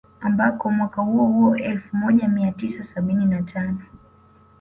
Ambako mwaka huo huo elfu moja mia tisa sabini na tano